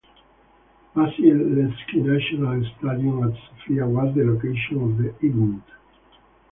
Vasil Levski National Stadium at Sofia was the location of the event.